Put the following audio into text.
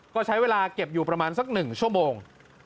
ก็ใช้เวลาเก็บอยู่ประมาณสัก๑ชั่วโมง